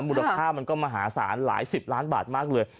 มูลค่ามันก็มหาศาลหลายสิบล้านบาทมากเลย